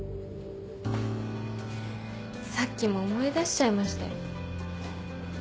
さっきも思い出しちゃいましたよ。